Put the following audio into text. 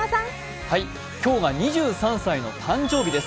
今日が２３歳の誕生日です。